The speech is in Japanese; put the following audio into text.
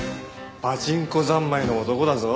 パチンコざんまいの男だぞ。